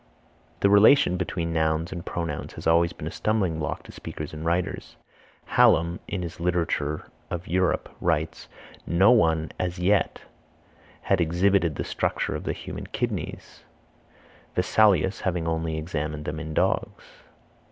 The relation between nouns and pronouns has always been a stumbling block to speakers and writers. Hallam in his Literature of Europe writes, "No one as yet had exhibited the structure of the human kidneys, Vesalius having only examined them in dogs."